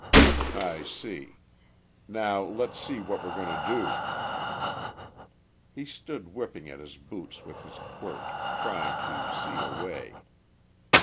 "I see. Now, let's see what we're goin' to do." He stood whipping at his boots with his quirt, trying to see a way.